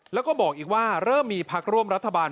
แล้วก็บอกอีกว่าเริ่มมีพักร่วมรัฐบาล